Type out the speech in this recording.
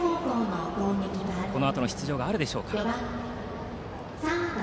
このあとの出場があるでしょうか。